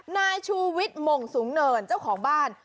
นายชูวิทย์มงสูงเนินเจ้าของบ้าน